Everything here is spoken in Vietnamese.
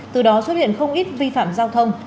từ đó xuất hiện không ít vi phạm giao thông